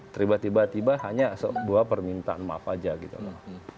tiba tiba hanya dua permintaan maaf aja gitu loh